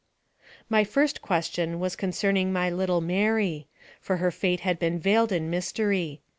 My first question was concerning my little Mary; for her fate had been veiled in mystery.